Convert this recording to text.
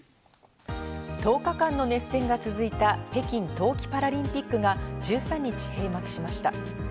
１０日間の熱戦が続いた北京冬季パラリンピックが１３日閉幕しました。